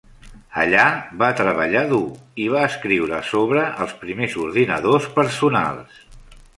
Allà va treballar dur i va escriure sobre els primers ordinadors personals.